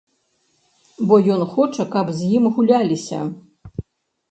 Бо ён хоча, каб з ім гуляліся.